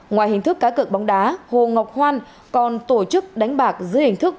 ngoài hình thức cá cực bóng đá hồ ngọc khoan còn tổ chức đánh bạc dưới hình thức